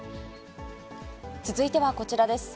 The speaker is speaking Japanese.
続いてはこちらです。